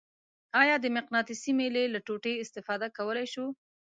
آیا د مقناطیسي میلې له ټوټې استفاده کولی شو؟